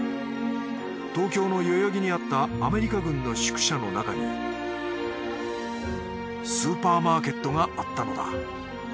東京の代々木にあったアメリカ軍の宿舎の中にスーパーマーケットがあったのだ。